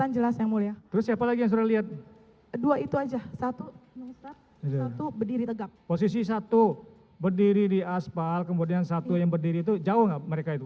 posisi satu berdiri di aspal kemudian satu yang berdiri itu jauh nggak mereka itu